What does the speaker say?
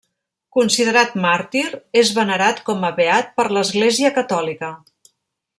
Considerat màrtir, és venerat com a beat per l'Església catòlica.